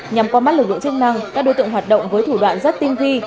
nhằm qua mắt lực lượng chức năng các đối tượng hoạt động với thủ đoạn rất tinh vi